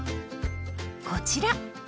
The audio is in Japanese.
こちら！